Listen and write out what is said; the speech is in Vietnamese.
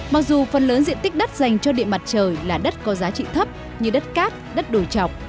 mặc dù phần lớn diện tích đất dành cho địa mặt trời là đất có giá trị thấp như đất cát đất đồi chọc